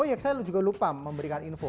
oh ya saya juga lupa memberikan info